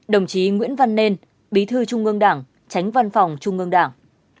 hai mươi đồng chí nguyễn văn nên bí thư trung ương đảng tránh văn phòng trung ương đảng